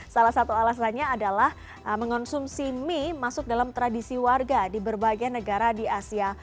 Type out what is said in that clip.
salah satu alasannya adalah mengonsumsi mie masuk dalam tradisi warga di berbagai negara di asia